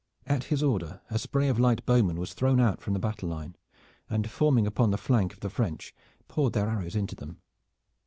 At his order a spray of light bowmen was thrown out from the battle line and forming upon the flank of the French poured their arrows into them.